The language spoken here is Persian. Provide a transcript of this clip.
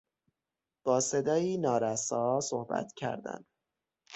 با صدایی نارسا صحبت کردن